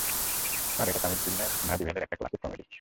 Sir, এটা তামিল ফিল্মে ভাদিভেলের একটা ক্লাসিক কমেডি।